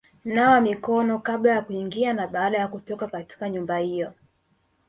Nawa mikono kabla ya kuingia na baada ya kutoka katika nyumba hiyo;